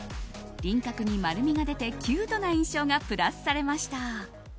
輪郭に丸みが出てキュートな印象がプラスされました。